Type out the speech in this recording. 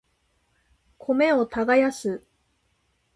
米を耕す